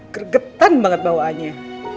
gregetan banget bawaannya